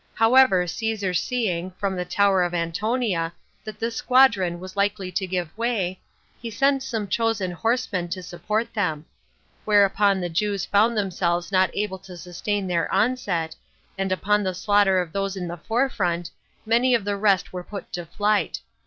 However, Caesar seeing, from the tower of Antonia, that this squadron was likely to give way, he sent some chosen horsemen to support them. Hereupon the Jews found themselves not able to sustain their onset, and upon the slaughter of those in the forefront, many of the rest were put to flight.